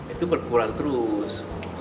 itu berkurang terus